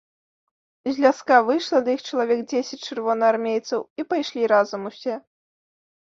З ляска выйшла да іх чалавек дзесяць чырвонаармейцаў і пайшлі разам усе.